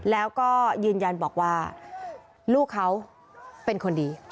แล้วก็ยืนยันบอกว่าลูกเขาเป็นคนดี